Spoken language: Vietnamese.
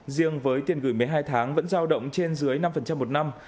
riêng với tiền gửi một mươi hai tháng vẫn giao động trên dưới năm một năm